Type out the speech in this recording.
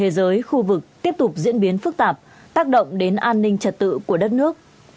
thế giới khu vực tiếp tục diễn biến phức tạp tác động đến an ninh trật tự của đất nước